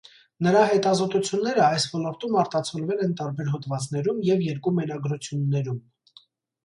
Նրա հետազոտությունները այս ոլորտում արտացոլվել են տարբեր հոդվածներում և երկու մենագրություններում։